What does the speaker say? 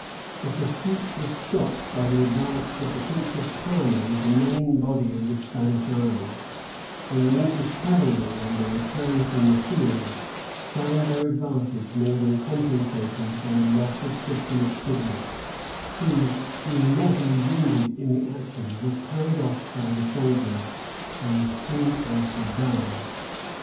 The pursuit was stopped by the advance of the prince of Parma with the main body of the Spanish army; and the English cavalry, on their return from the field, found their advantage more than compensated by the loss of Sir Philip Sidney, who, being mortally wounded in the action, was carried off by the soldiers, and soon after died.